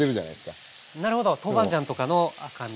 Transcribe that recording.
なるほど豆板醤とかの赤み。